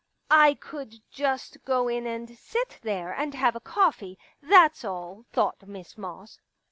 " I could just go in and sit there and have a coffee, that's all," thought Miss Moss.